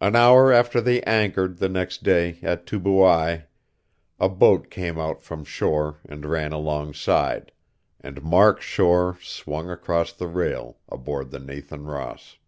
An hour after they anchored, the next day, at Tubuai, a boat came out from shore and ran alongside, and Mark Shore swung across the rail, aboard the Nathan Ross.